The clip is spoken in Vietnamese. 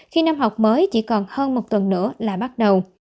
khi năm học mới chỉ còn hơn một tuần nữa là bắt đầu